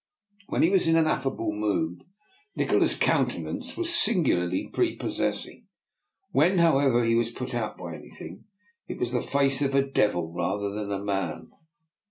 When he was in an affable mood Nikola's countenance was singularly prepossessing; when, however, he was put out by anything it was the face of a devil rather than a man.